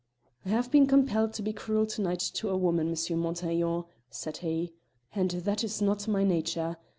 "I have been compelled to be cruel to night to a woman, M. Montaiglon," said he, "and that is not my nature.